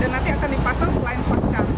dan nanti akan dipasang selain fast charging